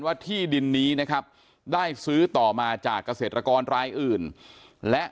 ว่าที่ดินนี้นะครับได้ซื้อต่อมาจากเกษตรกรรายอื่นและ